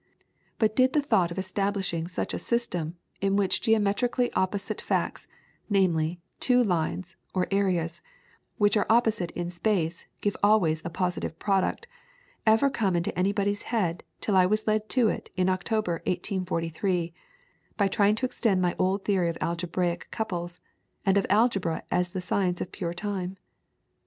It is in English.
"But did the thought of establishing such a system, in which geometrically opposite facts namely, two lines (or areas) which are opposite IN SPACE give ALWAYS a positive product ever come into anybody's head till I was led to it in October, 1843, by trying to extend my old theory of algebraic couples, and of algebra as the science of pure time?